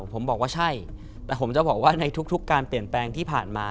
ผมบอกว่าใช่แต่ผมจะบอกว่าในทุกการเปลี่ยนแปลงที่ผ่านมา